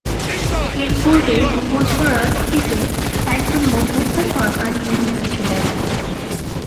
এর পূর্বে দুবছর রাজ্যটিতে একজন মধ্যস্থ সরকার নিয়োজিত ছিলেন।